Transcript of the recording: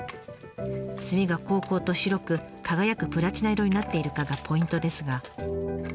炭がこうこうと白く輝くプラチナ色になっているかがポイントですが。